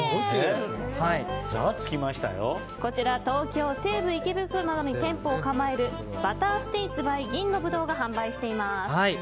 こちら東京・西武池袋などに店舗を構えるバターステイツｂｙ銀のぶどうが販売しています。